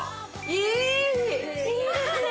いいですね。